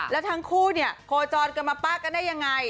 และทั้งคู่เนี่ยโกรธกับมาฟะกันได้อย่างไร